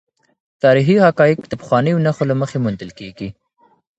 تاریخي حقایق د پخوانیو نښو له مخې موندل کیږي.